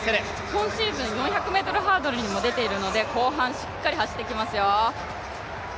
今シーズン４００ｍハードルにも出ているので後半しっかり走ってきますよ。